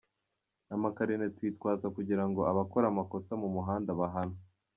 Amakarine tuyitwaza kugira ngo abakora amakosa mu muhanda bahanwe.